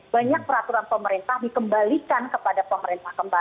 banyak peraturan pemerintah dikembalikan kepada pemerintah